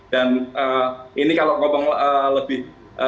dan ini kalau ngomong lebih